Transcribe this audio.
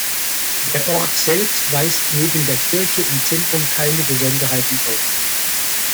Der Ort selbst weist neben der Kirche im Zentrum keine Besonderheiten auf.